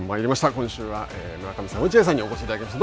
今週は、村上さん、落合さんにお越しいただきました。